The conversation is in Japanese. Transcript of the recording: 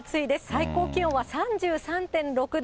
最高気温は３３．６度。